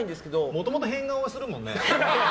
もともと変顔はするもんね。